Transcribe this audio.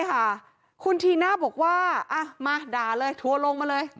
ใช่ค่ะคุณทีน่าบอกว่ามาด่าเลยทัวรมมาเลย